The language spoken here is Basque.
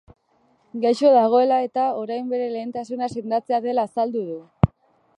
Gaixo dagoela eta, orain, bere lehentasuna sendatzea dela azaldu du.